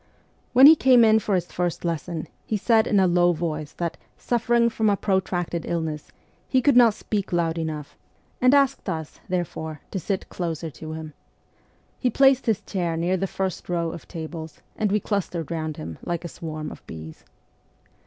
When he came in for his first lesson, he said in a low voice that, suffering from a protracted illness, he could not speak loud enough, and 102 MEMOIRS OF A REVOLUTIONIST asked us, therefore, to sit closer to him. He placed his chair near the first row of tables, and we clustered round him like a swarm of bees.